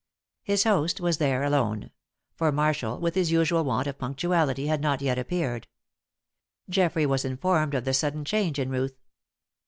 His host was there alone; for Marshall, with his usual want of punctuality, had not yet appeared. Geoffrey was informed of the sudden change in Ruth.